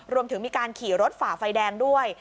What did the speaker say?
รวมถึงมีการขี่รถฝ่าไฟแดงด้วย